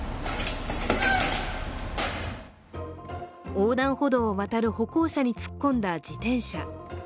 横断歩道を渡る歩行者に突っ込んだ自転車。